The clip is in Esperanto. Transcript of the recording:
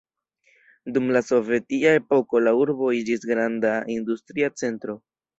Dum la Sovetia epoko la urbo iĝis granda industria centro.